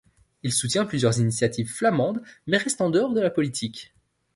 Il soutient plusieurs initiatives flamandes, mais reste en dehors de la politique.